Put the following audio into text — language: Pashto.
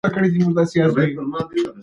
با ید پښه یې بنده کړي.